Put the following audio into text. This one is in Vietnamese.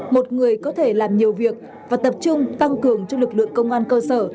một người có thể làm nhiều việc và tập trung tăng cường cho lực lượng công an cơ sở